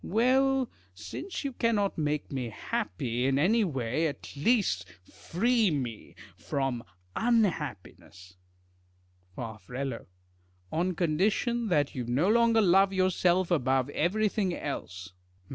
Well, since you cannot make me happy in any way, at least free me from unhappiness. Far. On condition that you no longer love yourself above everything else. 3fal.